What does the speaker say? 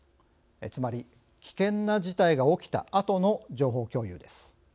つまり危険な事態が起きたあとの情報共有です。